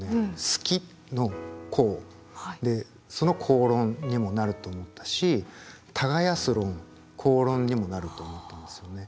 好きの好でその好論にもなると思ったし耕す論耕論にもなると思ったんですよね。